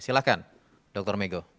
silahkan dokter megho